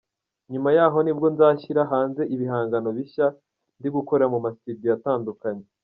Nyuma y’aho nibwo nzashyira hanze ibihangano bishya ndigukorera mu ma studio atandukanye.